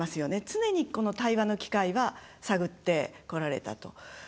常に対話の機会は探ってこられたと。